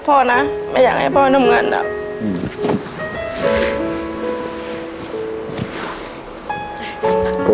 ก็ไม่อยากให้แกทำงานหนัก